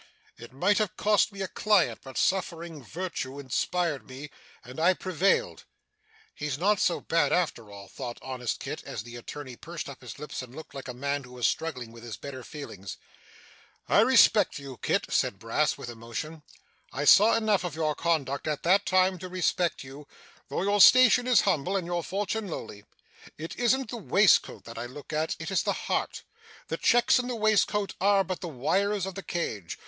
It might have cost me a client. But suffering virtue inspired me, and I prevailed.' 'He's not so bad after all,' thought honest Kit, as the attorney pursed up his lips and looked like a man who was struggling with his better feelings. 'I respect you, Kit,' said Brass with emotion. 'I saw enough of your conduct, at that time, to respect you, though your station is humble, and your fortune lowly. It isn't the waistcoat that I look at. It is the heart. The checks in the waistcoat are but the wires of the cage.